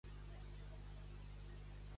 No sé què.